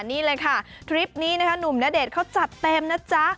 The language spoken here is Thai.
นี่เลยค่ะทริปนี้นะคะหนุ่มณเดชน์เขาจัดเต็มนะจ๊ะ